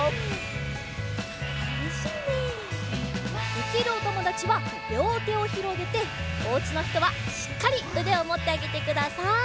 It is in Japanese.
できるおともだちはりょうてをひろげておうちのひとはしっかりうでをもってあげてください。